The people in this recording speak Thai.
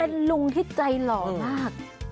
เป็นลุงที่ใจหล่อมาก